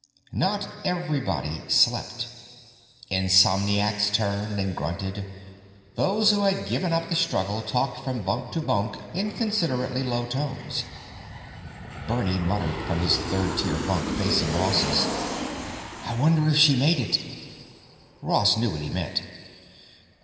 Not everybody slept. Insomniacs turned and grunted; those who had given up the struggle talked from bunk to bunk in considerately low tones. Bernie muttered from a third tier bunk facing Ross's: "I wonder if she made it." Ross knew what he meant.